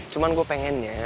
cuman gua pengennya